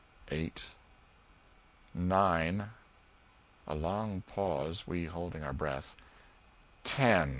eight ... nine" a long pause, we holding our breath "ten!"